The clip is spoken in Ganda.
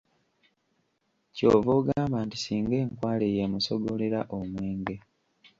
Ky'ova ogamba nti singa enkwale y'emusogolera omwenge.